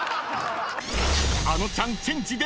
［あのちゃんチェンジで］